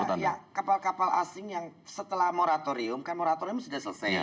iya kapal kapal asing yang setelah moratorium kan moratorium sudah selesai